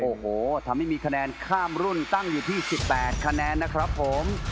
โอ้โหทำให้มีคะแนนข้ามรุ่นตั้งอยู่ที่๑๘คะแนนนะครับผม